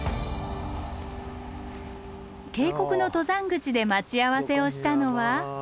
渓谷の登山口で待ち合わせをしたのは。